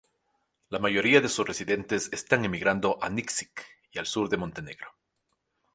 La mayoría de sus residentes están emigrando a Nikšić y al sur de Montenegro.